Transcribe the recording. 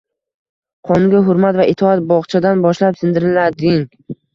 Qonunga hurmat va itoat – bog‘chadan boshlab singdirilading